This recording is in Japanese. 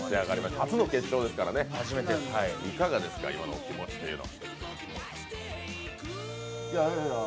初の決勝ですからね、いかがですか今のお気持ちというのは。